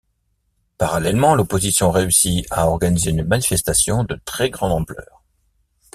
Parallèlement, l'opposition réussit à organiser une manifestation de très grande ampleur.